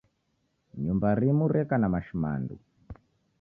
Nyumba rimu reka na mashimandu.